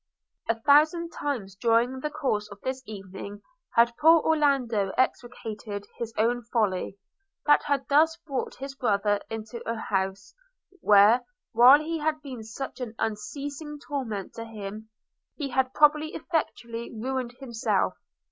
A thousand times during the course of this evening had poor Orlando execrated his own folly, that had thus brought his brother into an house, where, while he had been such an unceasing torment to him, he had probably effectually ruined himself.